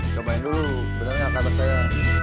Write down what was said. cobain dulu bener gak kata saya